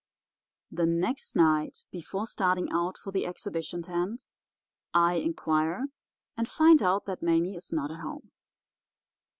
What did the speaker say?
"The next night before starting out for the exhibition tent I inquire and find out that Mame is not at home.